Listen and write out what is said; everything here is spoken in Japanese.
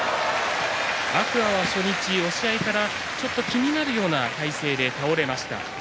天空海は初日、押し合いからちょっと気になるような体勢で倒れました。